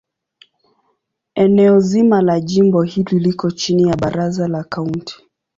Eneo zima la jimbo hili liko chini ya Baraza la Kaunti.